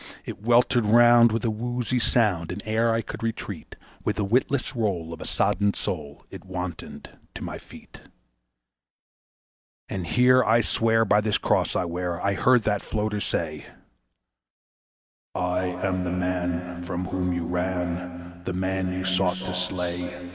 It weltered round with a woozy sound, and ere I could retreat, With the witless roll of a sodden soul it wantoned to my feet. And here I swear by this Cross I wear, I heard that "floater" say: "I am the man from whom you ran, the man you sought to slay.